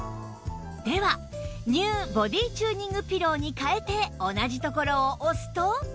では ＮＥＷ ボディチューニングピローに替えて同じところを押すと